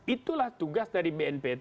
itulah tugas dari bnp